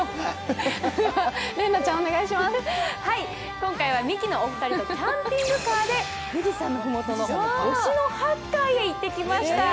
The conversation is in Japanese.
今回はミキのお二人とキャンピングカーで富士山の麓の忍野八海へ行ってきました。